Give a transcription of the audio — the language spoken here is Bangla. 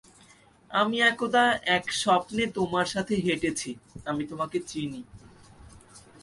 আমি একদা এক স্বপ্নে তোমার সাথে হেঁটেছি আমি তোমাকে চিনি।